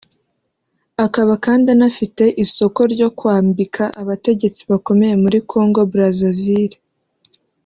akaba kandi anafite isoko ryo kwambika abategetsi bakomeye muri Congo Brazzaville